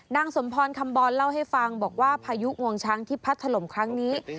สมพรคำบอลเล่าให้ฟังบอกว่าพายุงวงช้างที่พัดถล่มครั้งนี้